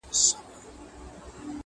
په اتڼ به سي ور ګډ د څڼورو!.